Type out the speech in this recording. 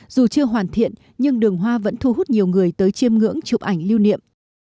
dù chưa hoàn thiện nhưng đường hoa vẫn thu hút nhiều người tới chiêm ngưỡng chụp ảnh lưu niệm